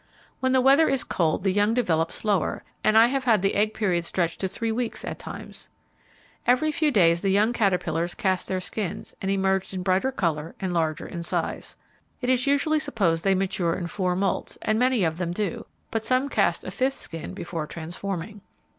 When the weather is cold the young develop slower, and I have had the egg period stretched to three weeks at times. Every few days the young caterpillars cast their skins and emerged in brighter colour and larger in size. It is usually supposed they mature in four moults, and many of them do, but some cast a fifth skin before transforming.